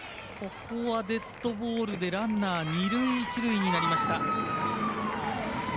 ここはデッドボールでランナー二塁、一塁になりました。